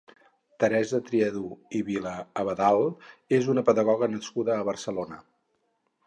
Teresa Triadú i Vila-Abadal és una pedagoga nascuda a Barcelona.